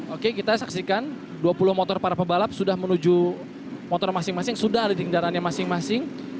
oke kita saksikan dua puluh motor para pebalap sudah menuju motor masing masing sudah ada di kendaraannya masing masing